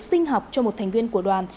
sinh học cho một thành viên của đoàn